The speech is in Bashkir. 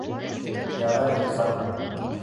— Ярай, ризамын.